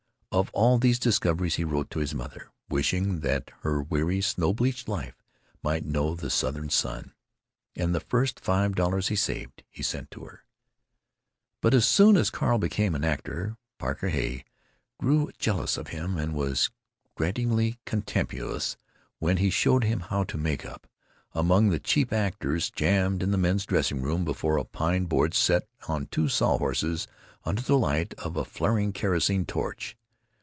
Of all these discoveries he wrote to his mother, wishing that her weary snow bleached life might know the Southern sun. And the first five dollars he saved he sent to her. But as soon as Carl became an actor Parker Heye grew jealous of him, and was gratingly contemptuous when he showed him how to make up, among the cheap actors jammed in the men's dressing room, before a pine board set on two saw horses, under the light of a flaring kerosene torch.